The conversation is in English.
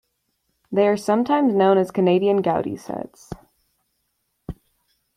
They are sometimes known as Canadian Goudey sets.